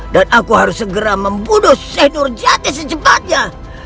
dan aku harus segera membunuh seh nurjati secepatnya